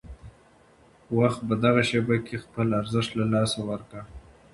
وخت په دغه شېبه کې خپل ارزښت له لاسه ورکړ.